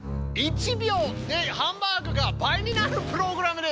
１秒でハンバーグが倍になるプログラムです！